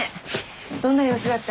どんな様子だった？